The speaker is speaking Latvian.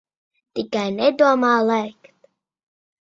Tikai nedomā lēkt.